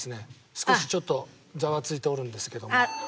少しちょっとザワついておるんですけども。